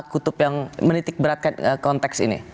kutub yang menitikberatkan konteks ini